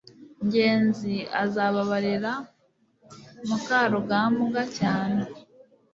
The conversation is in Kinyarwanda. ngenzi azababarira mukarugambwa cyane